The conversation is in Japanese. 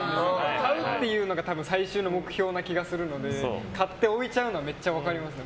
買うっていうのが最終の目標な気がするので買って置いちゃうのはめっちゃ分かります。